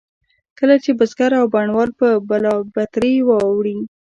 کله چې بزګر او بڼوال به بلابترې وړې.